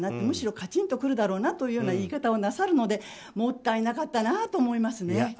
むしろカチンとくるだろうなという言い方をなさるのでもったいなかったなと思います。